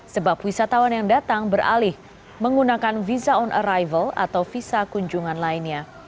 sebab wisatawan yang datang beralih menggunakan visa on arrival atau visa kunjungan lainnya